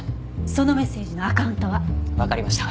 そのメッセージのアカウントは？わかりました。